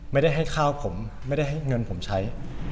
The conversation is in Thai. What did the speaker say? ไม่ได้ให้ข้าวผมไม่ได้ให้เงินผมใช้